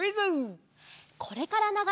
これからながれるえい